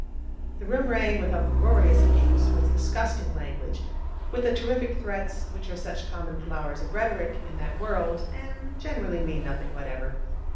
The room rang with uproarious abuse, with disgusting language, with the terrific threats which are such common flowers of rhetoric in that world, and generally mean nothing whatever.